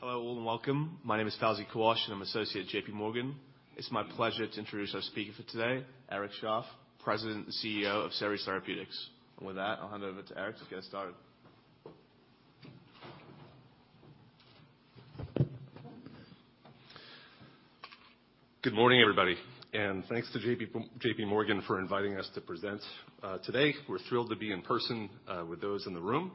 Hello, all, and welcome. My name is Fawzi Kawash, and I'm Associate at JPMorgan. It's my pleasure to introduce our speaker for today, Eric Shaff, President and CEO of Seres Therapeutics. With that, I'll hand it over to Eric to get us started. Good morning, everybody, thanks to JPMorgan for inviting us to present today. We're thrilled to be in person with those in the room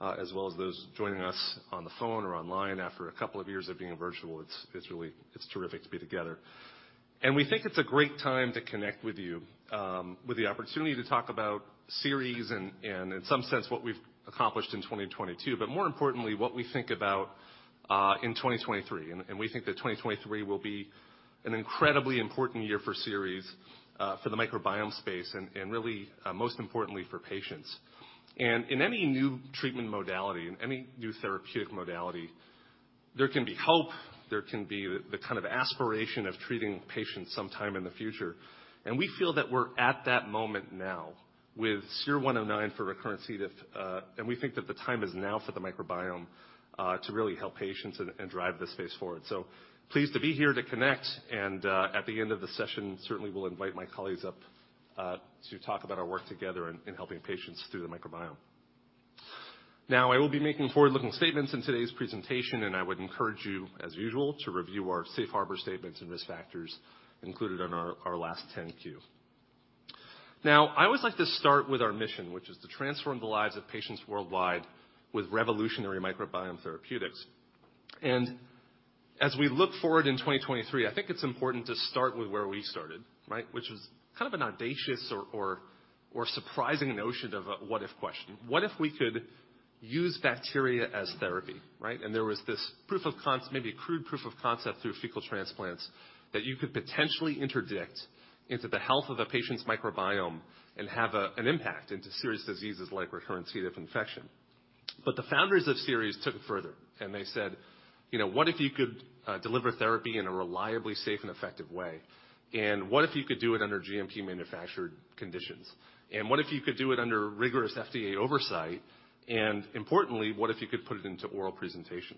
as well as those joining us on the phone or online. After a couple of years of being virtual, it's terrific to be together. We think it's a great time to connect with you with the opportunity to talk about Seres and in some sense, what we've accomplished in 2022, but more importantly, what we think about in 2023. We think that 2023 will be an incredibly important year for Seres, for the microbiome space and really most importantly for patients. In any new treatment modality, in any new therapeutic modality, there can be hope, there can be the kind of aspiration of treating patients sometime in the future. We feel that we're at that moment now with SER-109 for recurrent C. diff, and we think that the time is now for the microbiome to really help patients and drive this space forward. Pleased to be here to connect and, at the end of the session, certainly will invite my colleagues up to talk about our work together in helping patients through the microbiome. Now, I will be making forward-looking statements in today's presentation, and I would encourage you, as usual, to review our safe harbor statements and risk factors included in our last 10-Q. Now, I always like to start with our mission, which is to transform the lives of patients worldwide with revolutionary microbiome therapeutics. As we look forward in 2023, I think it's important to start with where we started, right? Which is kind of an audacious or surprising notion of a what if question. What if we could use bacteria as therapy, right? There was this proof of maybe crude proof of concept through fecal transplants that you could potentially interdict into the health of a patient's microbiome and have an impact into serious diseases like recurrent C. diff infection. The founders of Seres took it further and they said, "You know, what if you could deliver therapy in a reliably safe and effective way? And what if you could do it under GMP manufactured conditions? What if you could do it under rigorous FDA oversight? Importantly, what if you could put it into oral presentation?"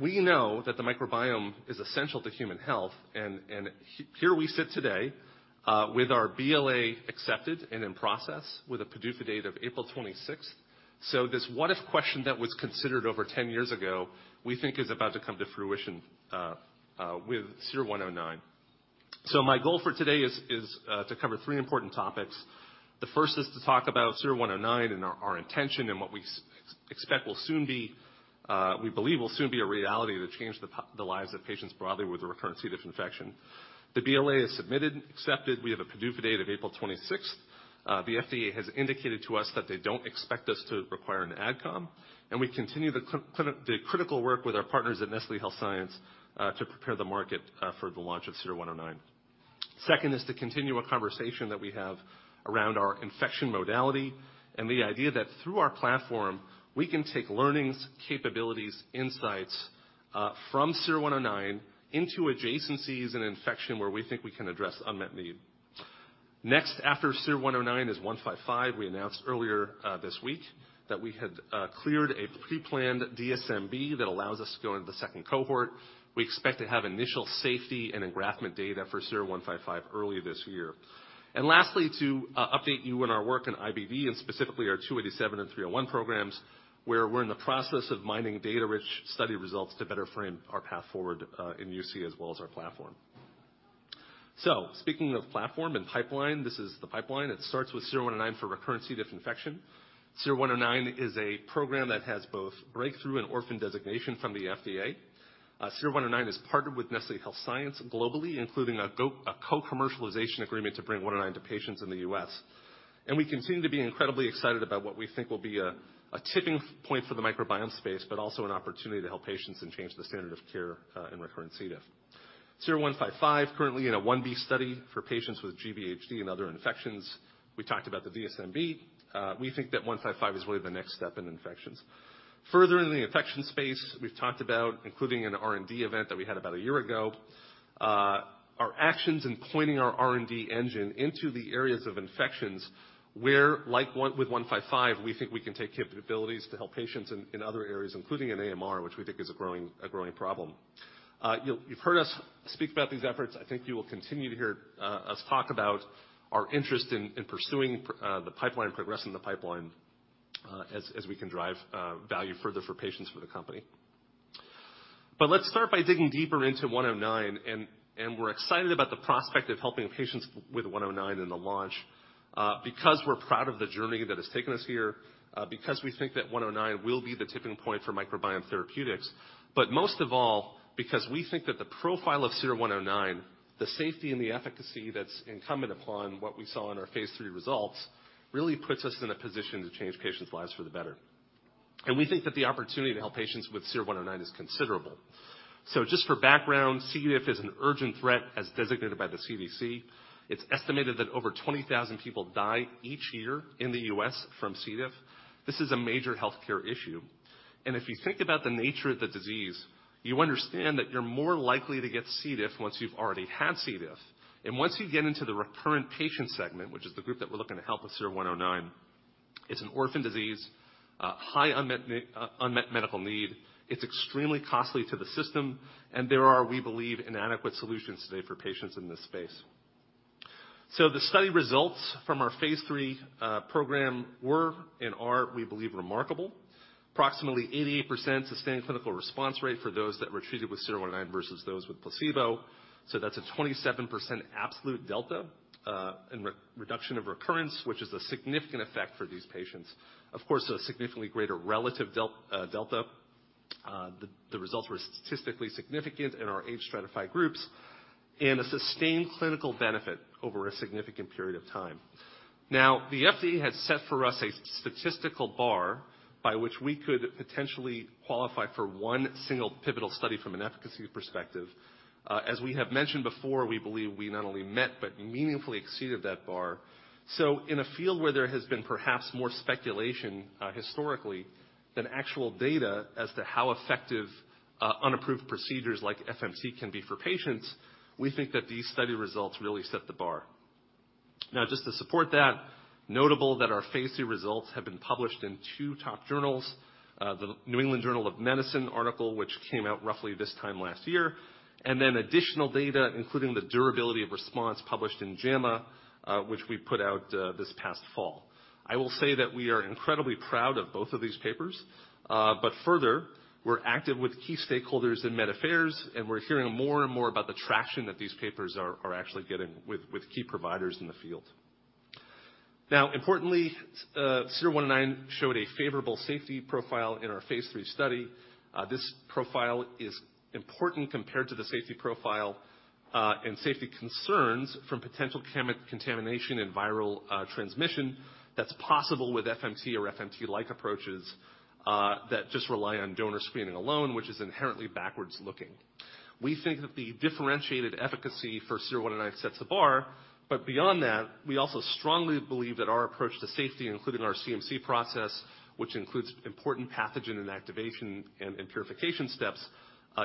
We know that the microbiome is essential to human health and, here we sit today, with our BLA accepted and in process with a PDUFA date of April 26th. This what if question that was considered over 10 years ago, we think is about to come to fruition with SER-109. My goal for today is to cover three important topics. The first is to talk about SER-109 and our intention and what we expect will soon be, we believe will soon be a reality to change the lives of patients broadly with a recurrent C. diff infection. The BLA is submitted, accepted. We have a PDUFA date of April 26th. The FDA has indicated to us that they don't expect us to require an ad com, and we continue the critical work with our partners at Nestlé Health Science to prepare the market for the launch of SER-109. Second is to continue a conversation that we have around our infection modality and the idea that through our platform, we can take learnings, capabilities, insights from SER-109 into adjacencies and infection where we think we can address unmet need. Next, after SER-109 is 155. We announced earlier this week that we had cleared a pre-planned DSMB that allows us to go into the second cohort. We expect to have initial safety and engraftment data for SER-155 early this year. Lastly, to update you on our work in IBD and specifically our 287 and 301 programs, where we're in the process of mining data-rich study results to better frame our path forward in UC as well as our platform. Speaking of platform and pipeline, this is the pipeline. It starts with SER-109 for recurrent C. diff infection. SER-109 is a program that has both breakthrough and orphan designation from the FDA. SER-109 is partnered with Nestlé Health Science globally, including a co-commercialization agreement to bring 109 to patients in the U.S. We continue to be incredibly excited about what we think will be a tipping point for the microbiome space, but also an opportunity to help patients and change the standard of care in recurrent C. diff. SER-155, currently in a 1B study for patients with GVHD and other infections. We talked about the DSMB. We think that 155 is really the next step in infections. Further in the infection space, we've talked about including an R&D event that we had about a year ago. Our actions in pointing our R&D engine into the areas of infections where like with 155, we think we can take capabilities to help patients in other areas, including in AMR, which we think is a growing problem. You've heard us speak about these efforts. I think you will continue to hear us talk about our interest in pursuing the pipeline and progressing the pipeline as we can drive value further for patients for the company. Let's start by digging deeper into 109 and we're excited about the prospect of helping patients with 109 in the launch because we're proud of the journey that has taken us here because we think that 109 will be the tipping point for microbiome therapeutics, but most of all, because we think that the profile of SER-109, the safety and the efficacy that's incumbent upon what we saw in our phase III results, really puts us in a position to change patients' lives for the better. We think that the opportunity to help patients with SER-109 is considerable. Just for background, C. diff is an urgent threat as designated by the CDC. It's estimated that over 20,000 people die each year in the U.S. from C. diff. This is a major healthcare issue. If you think about the nature of the disease, you understand that you're more likely to get C. diff once you've already had C. diff. Once you get into the recurrent patient segment, which is the group that we're looking to help with SER-109. It's an orphan disease, high unmet medical need. It's extremely costly to the system, and there are, we believe, inadequate solutions today for patients in this space. The study results from our phase III program were and are, we believe, remarkable. Approximately 88% sustained clinical response rate for those that were treated with SER-109 versus those with placebo. That's a 27% absolute delta in re-reduction of recurrence, which is a significant effect for these patients. Of course, a significantly greater relative delta. The results were statistically significant in our age stratified groups and a sustained clinical benefit over a significant period of time. The FDA has set for us a statistical bar by which we could potentially qualify for one single pivotal study from an efficacy perspective. As we have mentioned before, we believe we not only met but meaningfully exceeded that bar. In a field where there has been perhaps more speculation, historically than actual data as to how effective, unapproved procedures like FMT can be for patients, we think that these study results really set the bar. Just to support that, notable that our phase II results have been published in two top journals. The New England Journal of Medicine article, which came out roughly this time last year, additional data, including the durability of response published in JAMA, which we put out this past fall. I will say that we are incredibly proud of both of these papers, further, we're active with key stakeholders in Medical Affairs, and we're hearing more and more about the traction that these papers are actually getting with key providers in the field. Now, importantly, SER-109 showed a favorable safety profile in our phase III study. This profile is important compared to the safety profile, and safety concerns from potential contamination and viral transmission that's possible with FMT or FMT-like approaches that just rely on donor screening alone, which is inherently backwards-looking. We think that the differentiated efficacy for SER-109 sets the bar. Beyond that, we also strongly believe that our approach to safety, including our CMC process, which includes important pathogen inactivation and purification steps,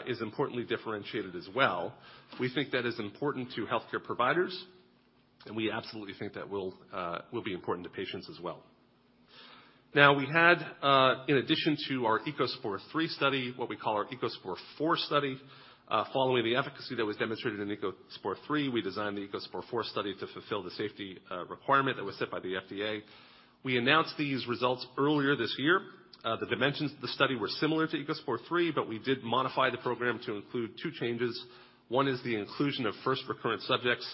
is importantly differentiated as well. We think that is important to healthcare providers, we absolutely think that will be important to patients as well. We had, in addition to our ECOSPOR III study, what we call our ECOSPOR IV study. Following the efficacy that was demonstrated in ECOSPOR III, we designed the ECOSPOR IV study to fulfill the safety requirement that was set by the FDA. We announced these results earlier this year. The dimensions of the study were similar to ECOSPOR III, we did modify the program to include 2 First, is the inclusion of first recurrent subjects.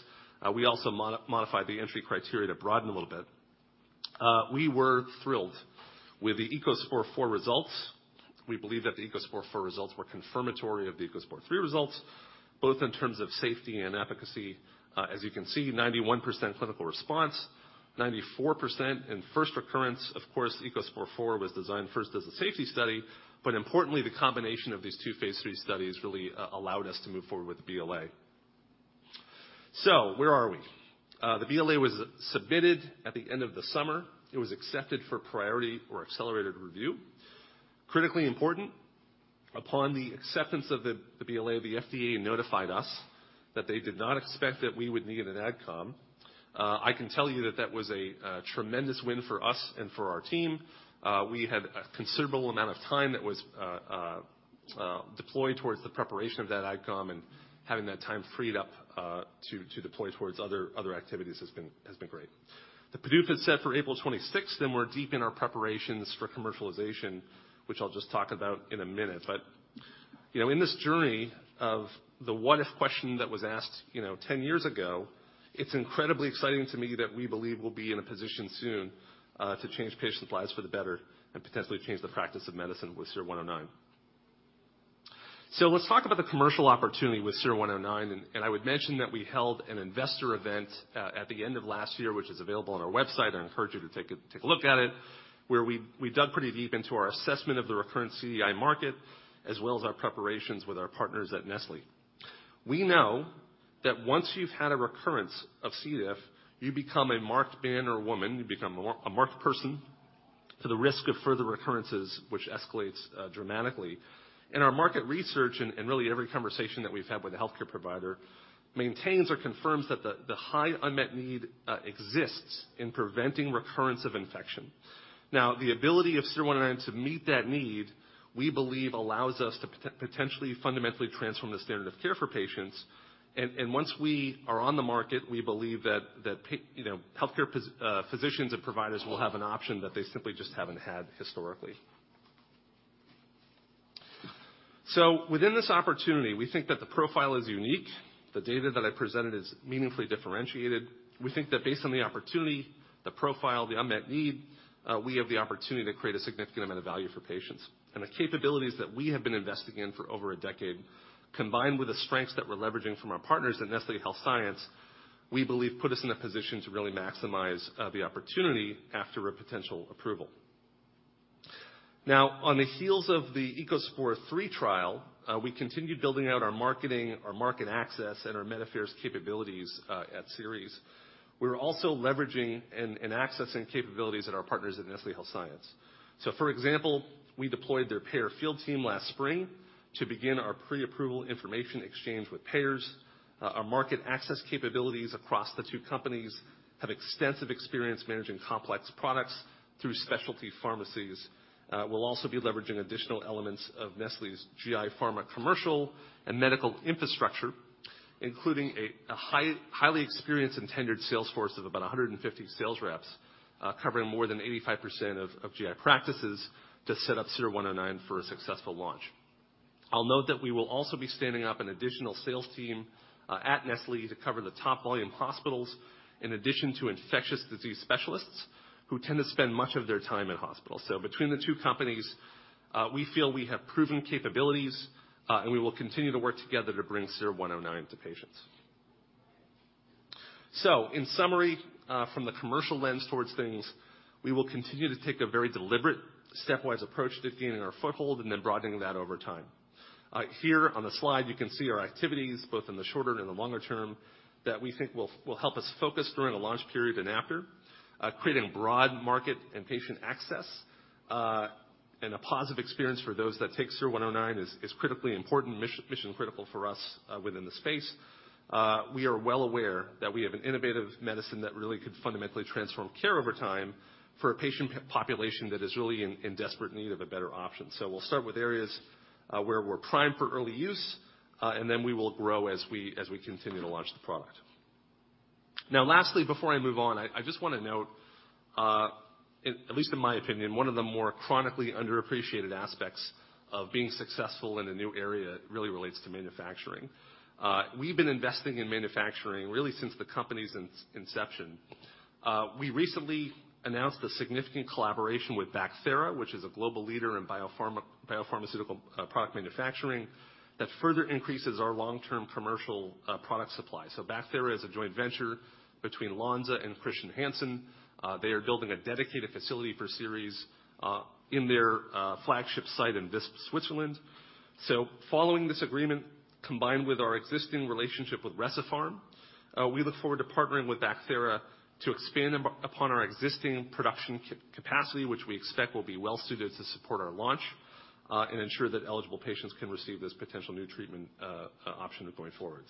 We also modified the entry criteria to broaden a little bit. We were thrilled with the ECOSPOR IV results. We believe that the ECOSPOR IV results were confirmatory of the ECOSPOR III results, both in terms of safety and efficacy. As you can see, 91% clinical response, 94% in first recurrence. Of course, ECOSPOR IV was designed first as a safety study. Importantly, the combination of these two phase III studies really allowed us to move forward with the BLA. Where are we? The BLA was submitted at the end of the summer. It was accepted for priority or accelerated review. Critically important, upon the acceptance of the BLA, the FDA notified us that they did not expect that we would need an Ad Com. I can tell you that that was a tremendous win for us and for our team. We had a considerable amount of time that was deployed towards the preparation of that Ad Com and having that time freed up to deploy towards other activities has been great. The PDUFA set for April 26th, we're deep in our preparations for commercialization, which I'll just talk about in a minute. You know, in this journey of the what if question that was asked, you know, 10 years ago, it's incredibly exciting to me that we believe we'll be in a position soon to change patients' lives for the better and potentially change the practice of medicine with SER-109. Let's talk about the commercial opportunity with SER-109. I would mention that we held an investor event at the end of last year, which is available on our website. I encourage you to take a look at it, where we dug pretty deep into our assessment of the recurrent CDI market, as well as our preparations with our partners at Nestlé. We know that once you've had a recurrence of C. diff, you become a marked man or woman, you become a marked person to the risk of further recurrences, which escalates dramatically. Our market research and really every conversation that we've had with a healthcare provider maintains or confirms that the high unmet need exists in preventing recurrence of infection. The ability of SER-109 to meet that need, we believe allows us to potentially fundamentally transform the standard of care for patients. Once we are on the market, we believe that you know, healthcare physicians and providers will have an option that they simply just haven't had historically. Within this opportunity, we think that the profile is unique. The data that I presented is meaningfully differentiated. We think that based on the opportunity, the profile, the unmet need, we have the opportunity to create a significant amount of value for patients. The capabilities that we have been investing in for over a decade, combined with the strengths that we're leveraging from our partners at Nestlé Health Science, we believe put us in a position to really maximize the opportunity after a potential approval. Now, on the heels of the ECOSPOR III trial, we continued building out our marketing, our market access, and our Medical Affairs capabilities at Seres. We're also leveraging and accessing capabilities at our partners at Nestlé Health Science. For example, we deployed their payer field team last spring to begin our pre-approval information exchange with payers. Our market access capabilities across the two companies have extensive experience managing complex products through specialty pharmacies. We'll also be leveraging additional elements of Nestlé's GI Pharma commercial and medical infrastructure, including a highly experienced and tenured sales force of about 150 sales reps, covering more than 85% of GI practices to set up SER-109 for a successful launch. I'll note that we will also be standing up an additional sales team at Nestlé to cover the top volume hospitals, in addition to infectious disease specialists who tend to spend much of their time in hospitals. Between the two companies, we feel we have proven capabilities, and we will continue to work together to bring SER-109 to patients. In summary, from the commercial lens towards things, we will continue to take a very deliberate stepwise approach to gaining our foothold and then broadening that over time. Here on the slide, you can see our activities, both in the shorter and the longer term, that we think will help us focus during a launch period and after, creating broad market and patient access, and a positive experience for those that take SER-109 is critically important, mission critical for us within the space. We are well aware that we have an innovative medicine that really could fundamentally transform care over time for a patient population that is really in desperate need of a better option. We'll start with areas where we're primed for early use, and then we will grow as we continue to launch the product. Now lastly, before I move on, I just wanna note, at least in my opinion, one of the more chronically underappreciated aspects of being successful in a new area really relates to manufacturing. We've been investing in manufacturing really since the company's inception. We recently announced a significant collaboration with Bacthera, which is a global leader in biopharmaceutical product manufacturing, that further increases our long-term commercial product supply. Bacthera is a joint venture between Lonza and Chr. Hansen. They are building a dedicated facility for Seres, in their flagship site in Visp, Switzerland. Following this agreement, combined with our existing relationship with Recipharm, we look forward to partnering with Bacthera to expand upon our existing production capacity, which we expect will be well suited to support our launch and ensure that eligible patients can receive this potential new treatment option going forward.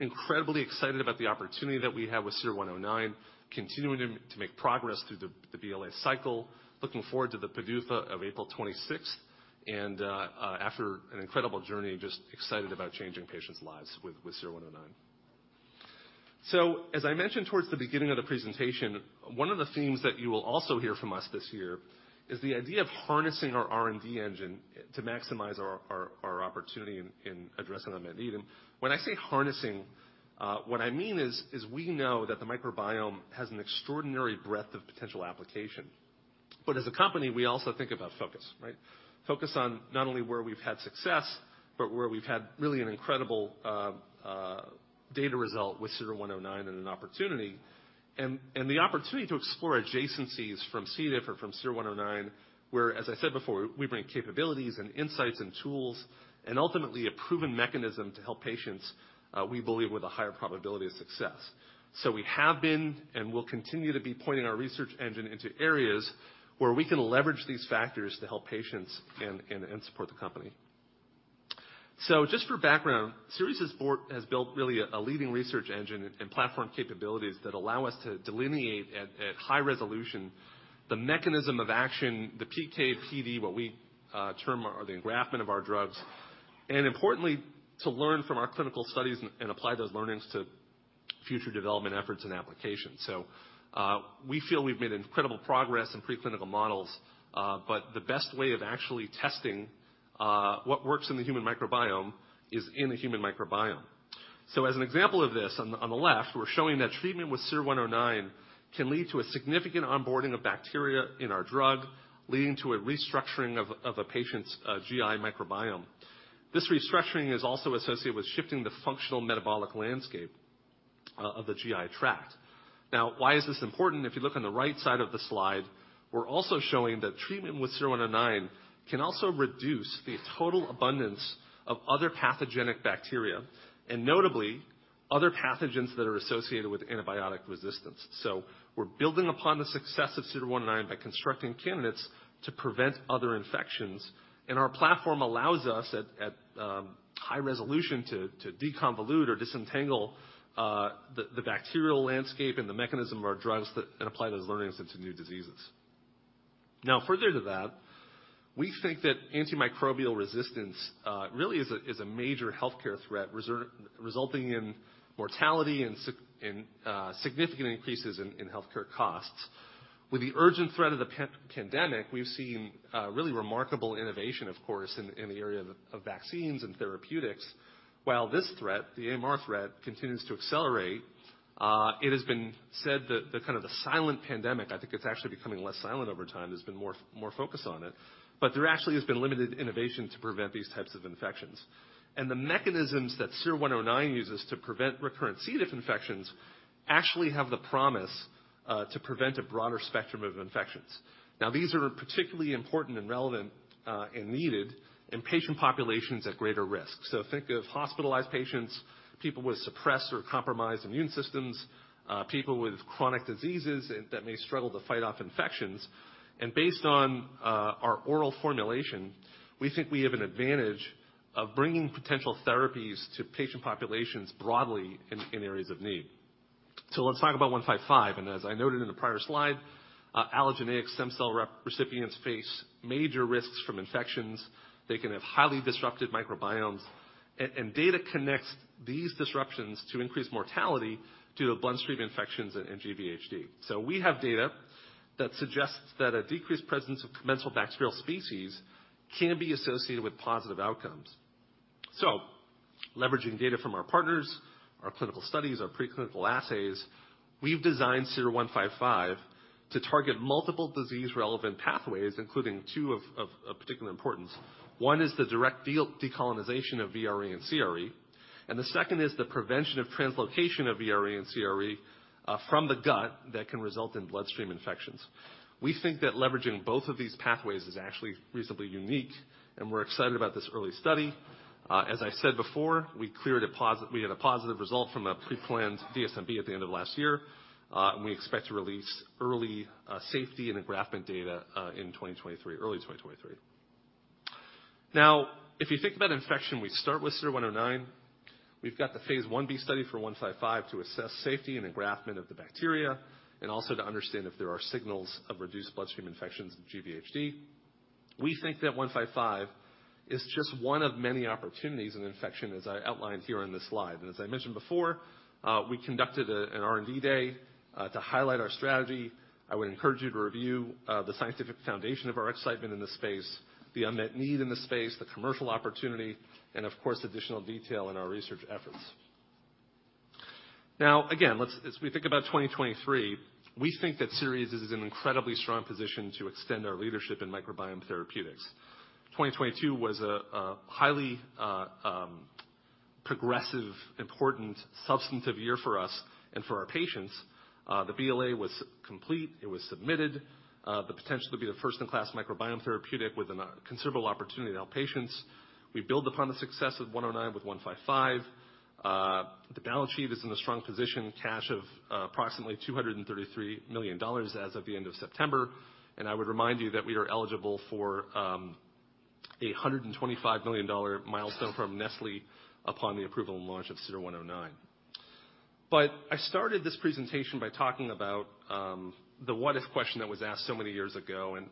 Incredibly excited about the opportunity that we have with SER-109, continuing to make progress through the BLA cycle. Looking forward to the PDUFA of April 26th, after an incredible journey, just excited about changing patients' lives with SER-109. As I mentioned towards the beginning of the presentation, one of the themes that you will also hear from us this year is the idea of harnessing our R&D engine to maximize our opportunity in addressing unmet need. When I say harnessing, what I mean is we know that the microbiome has an extraordinary breadth of potential application. As a company, we also think about focus, right? Focus on not only where we've had success, but where we've had really an incredible data result with SER-109 and an opportunity. The opportunity to explore adjacencies from C. diff or from SER-109, where, as I said before, we bring capabilities and insights and tools, and ultimately a proven mechanism to help patients, we believe, with a higher probability of success. We have been and will continue to be pointing our research engine into areas where we can leverage these factors to help patients and support the company. Just for background, Seres has built really a leading research engine and platform capabilities that allow us to delineate at high resolution the mechanism of action, the PK/PD, what we term are the engraftment of our drugs, and importantly, to learn from our clinical studies and apply those learnings to future development efforts and applications. We feel we've made incredible progress in preclinical models, but the best way of actually testing what works in the human microbiome is in the human microbiome. As an example of this, on the left, we're showing that treatment with SER-109 can lead to a significant onboarding of bacteria in our drug, leading to a restructuring of a patient's GI microbiome. This restructuring is also associated with shifting the functional metabolic landscape of the GI tract. Why is this important? If you look on the right side of the slide, we're also showing that treatment with SER-109 can also reduce the total abundance of other pathogenic bacteria, and notably, other pathogens that are associated with antibiotic resistance. We're building upon the success of SER-109 by constructing candidates to prevent other infections. Our platform allows us at high resolution to deconvolute or disentangle the bacterial landscape and the mechanism of our drugs and apply those learnings into new diseases. Further to that, we think that antimicrobial resistance really is a major healthcare threat, resulting in mortality and significant increases in healthcare costs. With the urgent threat of the pan-pandemic, we've seen really remarkable innovation, of course, in the area of vaccines and therapeutics, while this threat, the AMR threat, continues to accelerate. It has been said that the kind of the silent pandemic, I think it's actually becoming less silent over time, there's been more focus on it, but there actually has been limited innovation to prevent these types of infections. The mechanisms that SER-109 uses to prevent recurrent C. diff infections actually have the promise to prevent a broader spectrum of infections. These are particularly important and relevant and needed in patient populations at greater risk. Think of hospitalized patients, people with suppressed or compromised immune systems, people with chronic diseases that may struggle to fight off infections. Based on our oral formulation, we think we have an advantage of bringing potential therapies to patient populations broadly in areas of need. Let's talk about 155. As I noted in the prior slide, allogeneic stem cell recipients face major risks from infections. They can have highly disrupted microbiomes. Data connects these disruptions to increased mortality due to bloodstream infections and GVHD. We have data that suggests that a decreased presence of commensal bacterial species can be associated with positive outcomes. Leveraging data from our partners, our clinical studies, our preclinical assays, we've designed SER-155 to target multiple disease-relevant pathways, including two of particular importance. One is the direct decolonization of VRE and CRE, and the second is the prevention of translocation of VRE and CRE from the gut that can result in bloodstream infections. We think that leveraging both of these pathways is actually reasonably unique, and we're excited about this early study. As I said before, we had a positive result from a pre-planned DSMB at the end of last year. We expect to release early safety and engraftment data in 2023, early 2023. If you think about infection, we start with SER-109. We've got the phase 1B study for 155 to assess safety and engraftment of the bacteria and also to understand if there are signals of reduced bloodstream infections with GVHD. We think that 155 is just one of many opportunities in infection, as I outlined here on this slide. As I mentioned before, we conducted an R&D day to highlight our strategy. I would encourage you to review the scientific foundation of our excitement in this space, the unmet need in the space, the commercial opportunity, and of course, additional detail in our research efforts. As we think about 2023, we think that Seres is in an incredibly strong position to extend our leadership in microbiome therapeutics. 2022 was a highly progressive, important substantive year for us and for our patients. The BLA was complete. It was submitted. The potential to be the first in class microbiome therapeutic with a considerable opportunity to help patients. We build upon the success of SER-109 with SER-155. The balance sheet is in a strong position, cash of approximately $233 million as of the end of September. I would remind you that we are eligible for $125 million milestone from Nestlé upon the approval and launch of SER-109. I started this presentation by talking about the what if question that was asked so many years ago, and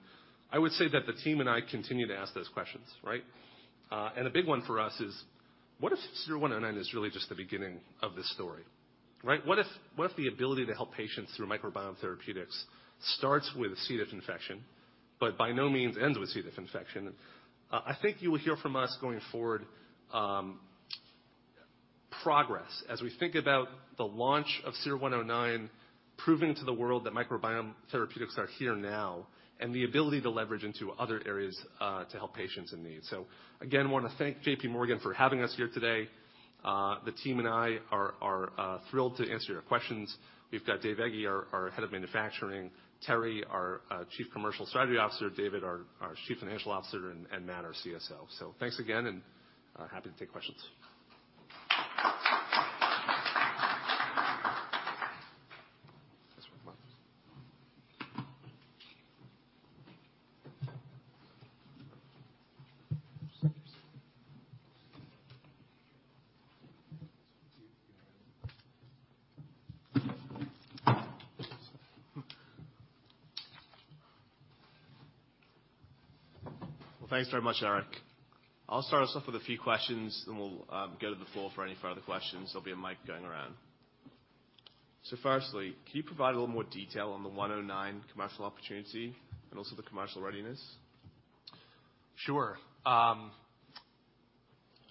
I would say that the team and I continue to ask those questions, right? The big one for us is, what if SER-109 is really just the beginning of this story, right? What if the ability to help patients through microbiome therapeutics starts with C. diff infection, but by no means ends with C. diff infection? I think you will hear from us going forward, progress as we think about the launch of SER-109, proving to the world that microbiome therapeutics are here now and the ability to leverage into other areas, to help patients in need. Again, wanna thank JPMorgan for having us here today. The team and I are thrilled to answer your questions. We've got Dave Ege, our head of manufacturing, Teri, our chief commercial strategy officer, David, our chief financial officer, and Matt, our CSO. Thanks again and happy to take questions. Well, thanks very much, Eric. I'll start us off with a few questions, then we'll go to the floor for any further questions. There'll be a mic going around. Firstly, can you provide a little more detail on the 109 commercial opportunity and also the commercial readiness? Sure.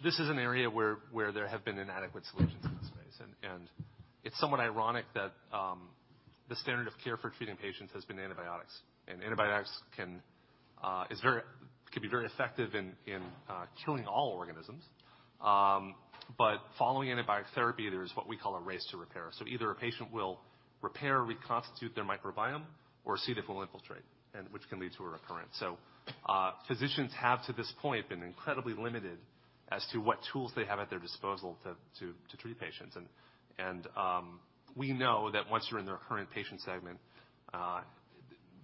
This is an area where there have been inadequate solutions in this space, and it's somewhat ironic that the standard of care for treating patients has been antibiotics. Antibiotics can could be very effective in killing all organisms. Following antibiotic therapy, there is what we call a race to repair. Either a patient will repair or reconstitute their microbiome or C. diff will infiltrate and which can lead to a recurrence. Physicians have to this point been incredibly limited as to what tools they have at their disposal to treat patients. We know that once you're in the recurrent patient segment,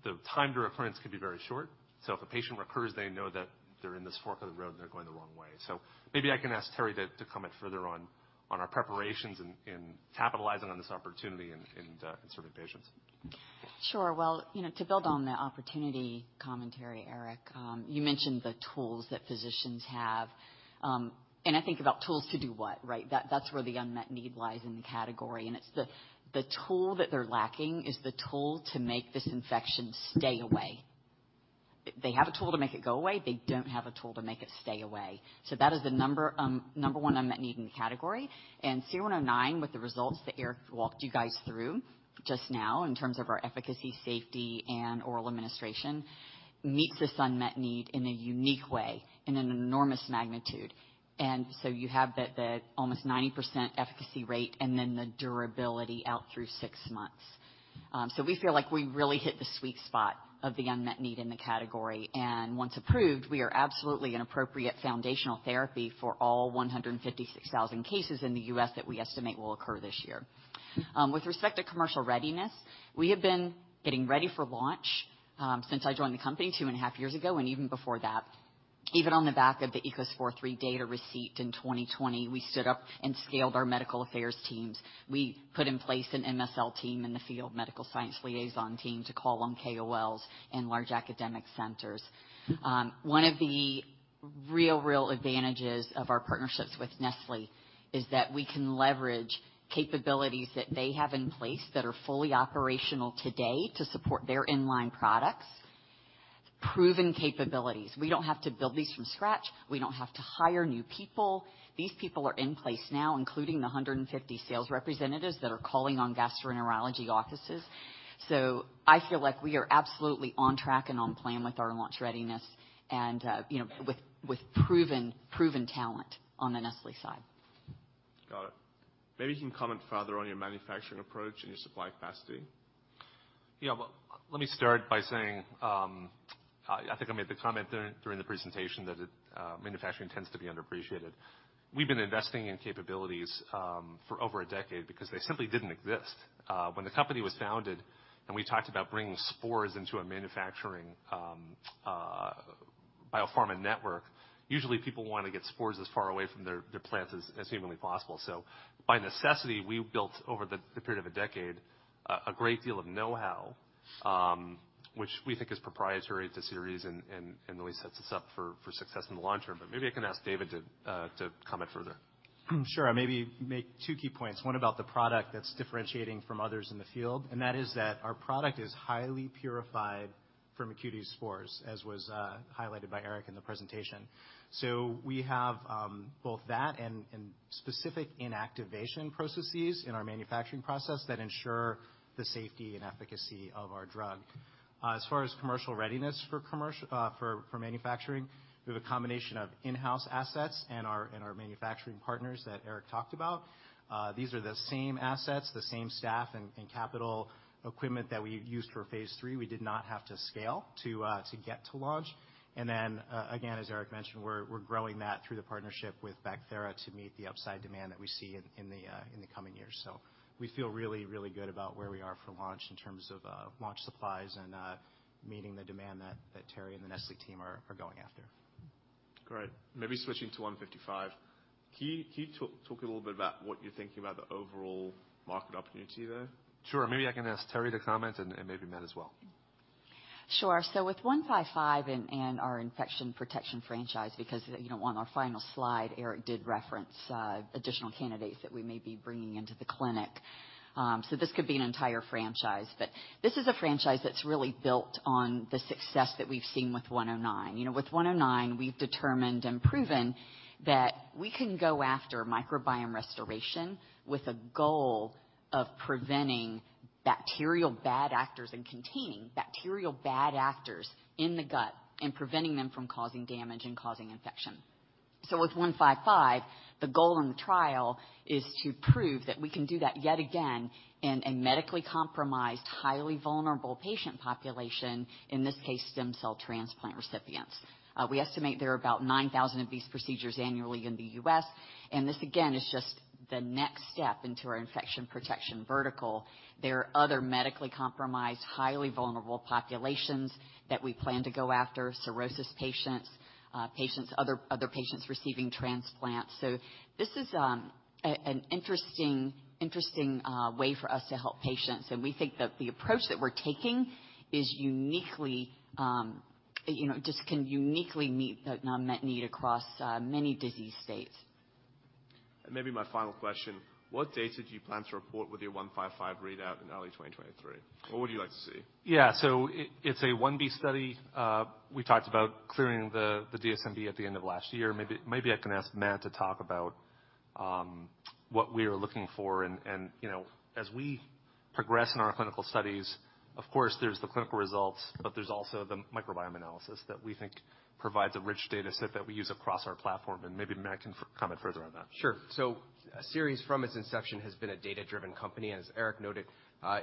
the time to recurrence can be very short. If a patient recurs, they know that they're in this fork of the road, and they're going the wrong way. Maybe I can ask Teri to comment further on our preparations in capitalizing on this opportunity and, in serving patients. Sure. Well, you know, to build on the opportunity commentary, Eric, you mentioned the tools that physicians have. I think about tools to do what, right? That, that's where the unmet need lies in the category. It's the tool that they're lacking is the tool to make this infection stay away. They have a tool to make it go away. They don't have a tool to make it stay away. That is the number one unmet need in the category. SER-109 with the results that Eric walked you guys through just now in terms of our efficacy, safety, and oral administration, meets this unmet need in a unique way, in an enormous magnitude. You have the almost 90% efficacy rate and then the durability out through six months. We feel like we really hit the sweet spot of the unmet need in the category. Once approved, we are absolutely an appropriate foundational therapy for all 156,000 cases in the U.S. that we estimate will occur this year. With respect to commercial readiness, we have been getting ready for launch since I joined the company two and a half years ago and even before that. Even on the back of the ECOSPOR III data receipt in 2020, we stood up and scaled our Medical Affairs teams. We put in place an MSL team in the field, medical science liaison team, to call on KOLs and large academic centers. One of the real advantages of our partnerships with Nestlé is that we can leverage capabilities that they have in place that are fully operational today to support their inline products. Proven capabilities. We don't have to build these from scratch. We don't have to hire new people. These people are in place now, including the 150 sales representatives that are calling on gastroenterology offices. I feel like we are absolutely on track and on plan with our launch readiness and, you know, with proven talent on the Nestlé side. Got it. Maybe you can comment further on your manufacturing approach and your supply capacity. Well, let me start by saying, I think I made the comment during the presentation that manufacturing tends to be underappreciated. We've been investing in capabilities for over a decade because they simply didn't exist. When the company was founded and we talked about bringing spores into a manufacturing biopharma network. Usually people wanna get spores as far away from their plants as humanly possible. By necessity, we built, over the period of a decade, a great deal of know-how, which we think is proprietary to Seres and really sets us up for success in the long term. Maybe I can ask David to comment further. Sure. I maybe make two key points. One about the product that's differentiating from others in the field, and that is that our product is highly purified from acute spores, as was highlighted by Eric in the presentation. We have both that and specific inactivation processes in our manufacturing process that ensure the safety and efficacy of our drug. As far as commercial readiness for manufacturing, we have a combination of in-house assets and our manufacturing partners that Eric talked about. These are the same assets, the same staff and capital equipment that we used for Phase 3. We did not have to scale to get to launch. Again, as Eric mentioned, we're growing that through the partnership with Bacthera to meet the upside demand that we see in the coming years. We feel really, really good about where we are for launch in terms of launch supplies and meeting the demand that Teri and the Nestlé team are going after. Great. Maybe switching to SER-155. Can you talk a little bit about what you're thinking about the overall market opportunity there? Sure. Maybe I can ask Teri to comment and maybe Matt as well. Sure. With 155 and our infection protection franchise, because you know, on our final slide, Eric did reference additional candidates that we may be bringing into the clinic. This could be an entire franchise, but this is a franchise that's really built on the success that we've seen with 109. You know, with 109, we've determined and proven that we can go after microbiome restoration with a goal of preventing bacterial bad actors and containing bacterial bad actors in the gut and preventing them from causing damage and causing infection. With 155, the goal in the trial is to prove that we can do that yet again in a medically compromised, highly vulnerable patient population, in this case, stem cell transplant recipients. We estimate there are about 9,000 of these procedures annually in the U.S. This again, is just the next step into our infection protection vertical. There are other medically compromised, highly vulnerable populations that we plan to go after, cirrhosis patients, other patients receiving transplants. This is an interesting way for us to help patients. We think that the approach that we're taking is uniquely, you know, just can uniquely meet the unmet need across many disease states. Maybe my final question, what data do you plan to report with your 155 readout in early 2023? What would you like to see? Yeah. So it's a 1B study. We talked about clearing the DSMB at the end of last year. Maybe I can ask Matt to talk about what we are looking for. You know, as we progress in our clinical studies, of course, there's the clinical results, but there's also the microbiome analysis that we think provides a rich data set that we use across our platform. Maybe Matt can comment further on that. Sure. Seres from its inception has been a data-driven company. As Eric noted,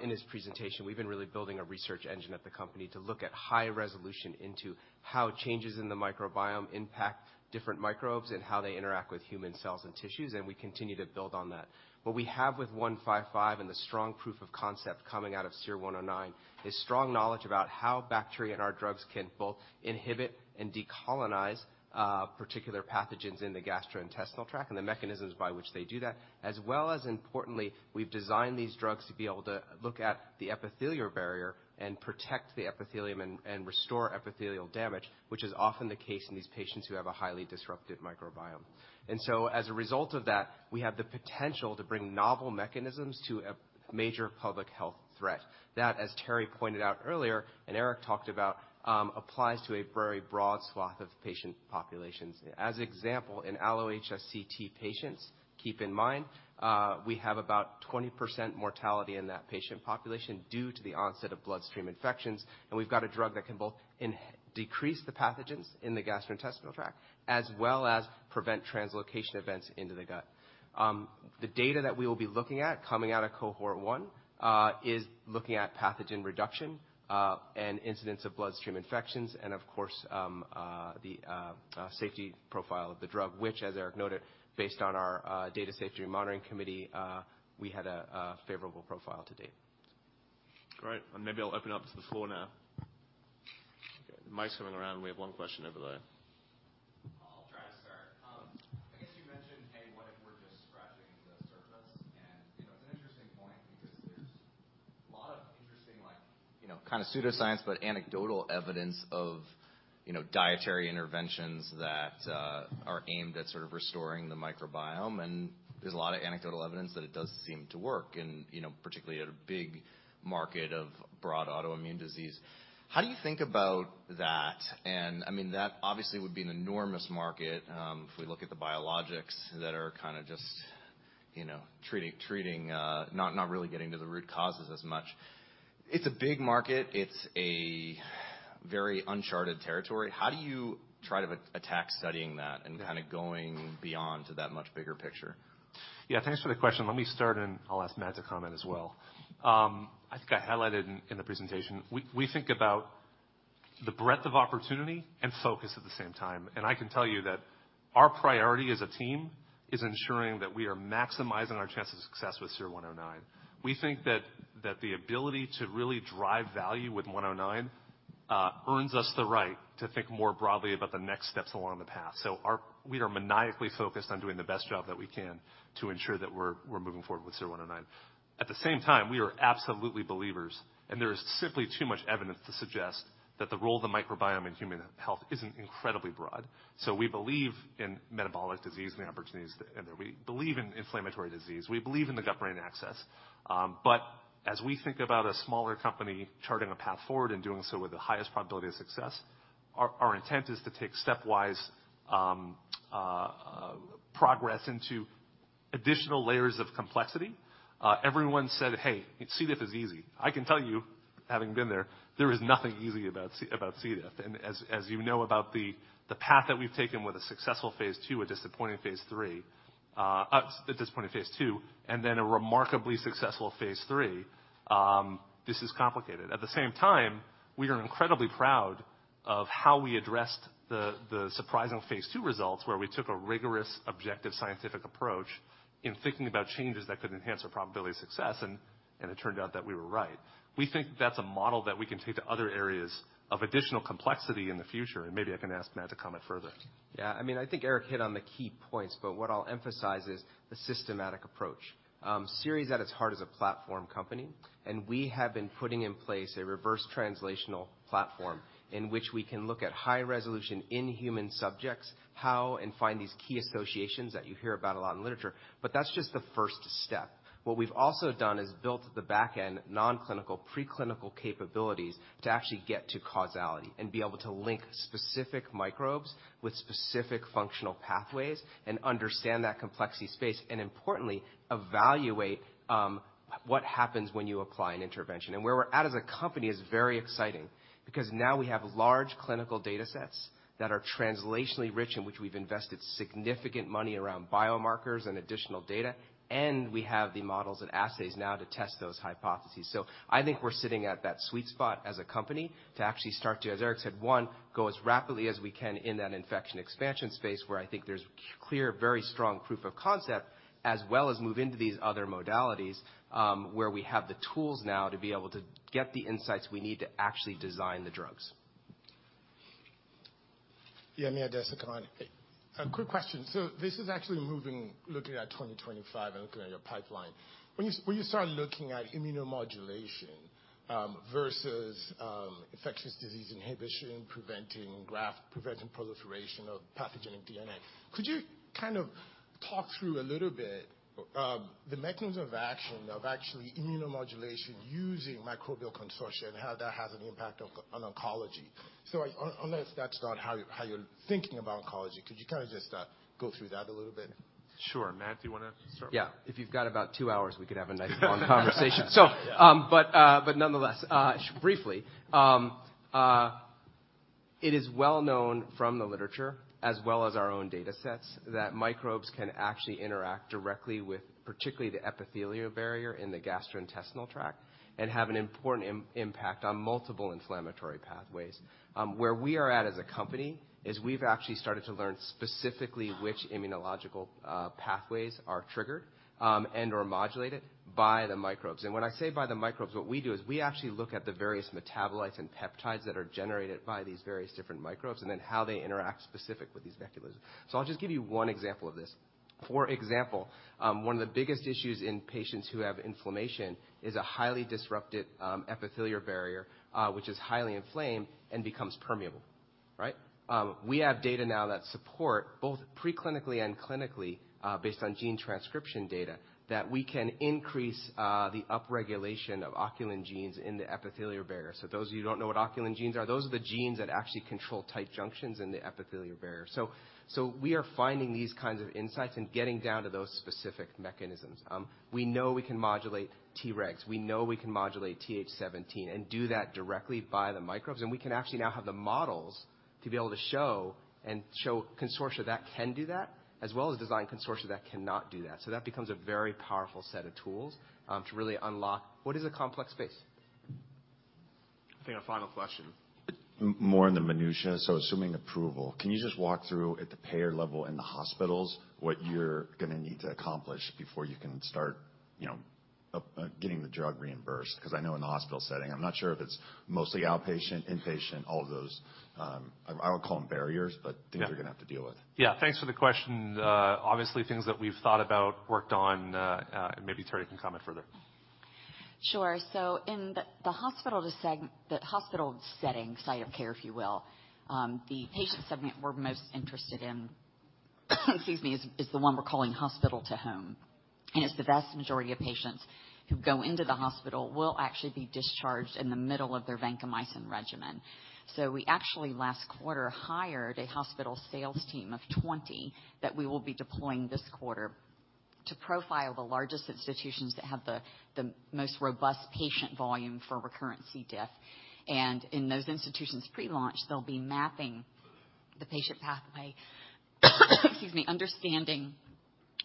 in his presentation, we've been really building a research engine at the company to look at high resolution into how changes in the microbiome impact different microbes and how they interact with human cells and tissues, and we continue to build on that. What we have with 155 and the strong proof of concept coming out of SER-109 is strong knowledge about how bacteria in our drugs can both inhibit and decolonize particular pathogens in the gastrointestinal tract and the mechanisms by which they do that. As well as importantly, we've designed these drugs to be able to look at the epithelial barrier and protect the epithelium and restore epithelial damage, which is often the case in these patients who have a highly disruptive microbiome. As a result of that, we have the potential to bring novel mechanisms to a major public health threat. That, as Teri pointed out earlier and Eric talked about, applies to a very broad swath of patient populations. As example, in allo-HSCT patients, keep in mind, we have about 20% mortality in that patient population due to the onset of bloodstream infections, and we've got a drug that can both decrease the pathogens in the gastrointestinal tract, as well as prevent translocation events into the gut. The data that we will be looking at coming out of cohort one, is looking at pathogen reduction, and incidents of bloodstream infections and of course, the safety profile of the drug, which as Eric noted, based on our Data Safety Monitoring Committee, we had a favorable profile to date Great. Maybe I'll open up to the floor now. Mic's coming around. We have one question over there. I'll try to start. I guess you mentioned, hey, what if we're just scratching the surface? You know, it's an interesting point because there's a lot of interesting, like, you know, kind of pseudoscience, but anecdotal evidence of, you know, dietary interventions that are aimed at sort of restoring the microbiome. There's a lot of anecdotal evidence that it does seem to work and, you know, particularly at a big market of broad autoimmune disease. How do you think about that? I mean, that obviously would be an enormous market. If we look at the biologics that are kinda just, you know, treating not really getting to the root causes as much. It's a big market. It's a very uncharted territory. How do you try to attack studying that and kinda going beyond to that much bigger picture? Yeah, thanks for the question. Let me start, and I'll ask Matt to comment as well. I think I highlighted in the presentation, we think about the breadth of opportunity and focus at the same time. I can tell you that our priority as a team is ensuring that we are maximizing our chances of success with SER-109. We think that the ability to really drive value with 109 earns us the right to think more broadly about the next steps along the path. We are maniacally focused on doing the best job that we can to ensure that we're moving forward with SER-109. At the same time, we are absolutely believers, and there is simply too much evidence to suggest that the role of the microbiome in human health isn't incredibly broad. We believe in metabolic disease and the opportunities, and that we believe in inflammatory disease. We believe in the gut-brain axis. As we think about a smaller company charting a path forward and doing so with the highest probability of success, our intent is to take stepwise progress into additional layers of complexity. Everyone said, "Hey, C. diff is easy." I can tell you, having been there is nothing easy about C. diff. As you know about the path that we've taken with a successful phase II, a disappointing phase III, a disappointing phase II, and then a remarkably successful phase III, this is complicated. At the same time, we are incredibly proud of how we addressed the surprising phase II results, where we took a rigorous, objective, scientific approach in thinking about changes that could enhance our probability of success, and it turned out that we were right. We think that's a model that we can take to other areas of additional complexity in the future. Maybe I can ask Matt to comment further. I mean, I think Eric hit on the key points, but what I'll emphasize is the systematic approach. Seres at its heart is a platform company, and we have been putting in place a reverse translational platform in which we can look at high resolution in human subjects, how and find these key associations that you hear about a lot in literature. That's just the first step. We've also done is built the back-end, non-clinical, preclinical capabilities to actually get to causality and be able to link specific microbes with specific functional pathways and understand that complexity space, and importantly, evaluate what happens when you apply an intervention. Where we're at as a company is very exciting because now we have large clinical datasets that are translationally rich in which we've invested significant money around biomarkers and additional data, and we have the models and assays now to test those hypotheses. I think we're sitting at that sweet spot as a company to actually start to, as Eric said, one, go as rapidly as we can in that infection expansion space, where I think there's clear, very strong proof of concept, as well as move into these other modalities, where we have the tools now to be able to get the insights we need to actually design the drugs. Yeah. A quick question. This is actually moving, looking at 2025 and looking at your pipeline. When you start looking at immunomodulation, versus infectious disease inhibition, preventing proliferation of pathogenic DNA, could you kind of talk through a little bit, the mechanisms of action of actually immunomodulation using microbial consortia and how that has an impact on oncology? Unless that's not how you're thinking about oncology, could you kinda just go through that a little bit? Sure. Matt, do you wanna start? Yeah. If you've got about 2 hours, we could have a nice long conversation. But nonetheless, briefly, it is well known from the literature as well as our own datasets that microbes can actually interact directly with particularly the epithelial barrier in the gastrointestinal tract and have an important impact on multiple inflammatory pathways. Where we are at as a company is we've actually started to learn specifically which immunological pathways are triggered and/or modulated by the microbes. When I say by the microbes, what we do is we actually look at the various metabolites and peptides that are generated by these various different microbes and then how they interact specific with these mechanisms. I'll just give you one example of this. For example, one of the biggest issues in patients who have inflammation is a highly disrupted epithelial barrier, which is highly inflamed and becomes permeable, right? We have data now that support both preclinically and clinically, based on gene transcription data, that we can increase the upregulation of occludin genes in the epithelial barrier. Those of you who don't know what occludin genes are, those are the genes that actually control tight junctions in the epithelial barrier. We are finding these kinds of insights and getting down to those specific mechanisms. We know we can modulate Tregs, we know we can modulate Th17 and do that directly by the microbes. We can actually now have the models to be able to show and show consortia that can do that, as well as design consortia that cannot do that. That becomes a very powerful set of tools, to really unlock what is a complex space. I think a final question. More in the minutiae. Assuming approval, can you just walk through at the payer level in the hospitals, what you're gonna need to accomplish before you can start, you know, getting the drug reimbursed? I know in the hospital setting, I'm not sure if it's mostly outpatient, inpatient, all of those, I won't call them barriers, but. Yeah. things you're gonna have to deal with. Yeah, thanks for the question. Obviously things that we've thought about, worked on, and maybe Terri can comment further. Sure. In the hospital setting, site of care, if you will, the patient segment we're most interested in, excuse me, is the one we're calling hospital to home. It's the vast majority of patients who go into the hospital will actually be discharged in the middle of their vancomycin regimen. We actually last quarter hired a hospital sales team of 20 that we will be deploying this quarter to profile the largest institutions that have the most robust patient volume for recurrent C. diff. In those institutions pre-launch, they'll be mapping the patient pathway, excuse me, understanding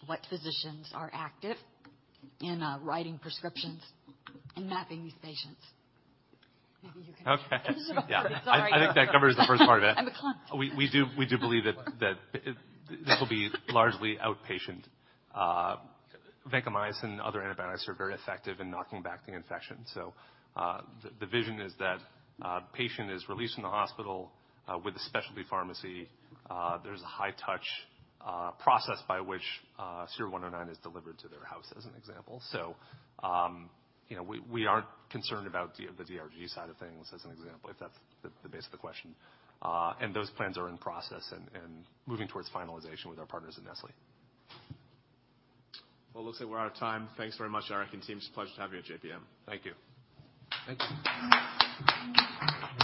what physicians are active in writing prescriptions and mapping these patients. Okay. Sorry. I think that covers the first part of that. I'm the We do believe that this will be largely outpatient. Vancomycin and other antibiotics are very effective in knocking back the infection. The vision is that a patient is released from the hospital with a specialty pharmacy. There's a high touch process by which SER-109 is delivered to their house, as an example. You know, we aren't concerned about the DRG side of things, as an example, if that's the base of the question. Those plans are in process and moving towards finalization with our partners at Nestlé. Well, it looks like we're out of time. Thanks very much, Eric and team. It's a pleasure to have you at JPM. Thank you. Thank you.